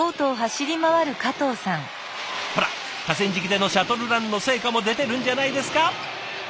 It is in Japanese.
ほら河川敷でのシャトルランの成果も出てるんじゃないですか？